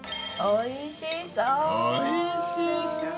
おいしそう。